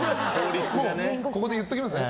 ここで言っておきますか？